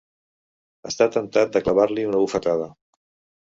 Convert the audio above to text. Està temptat de clavar-li una bufetada.